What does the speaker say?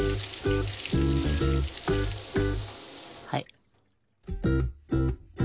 はい。